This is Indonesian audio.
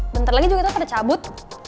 bentar lagi juga kita pada cabut